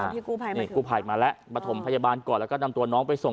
พี่กู้ภัยมานี่กู้ภัยมาแล้วประถมพยาบาลก่อนแล้วก็นำตัวน้องไปส่ง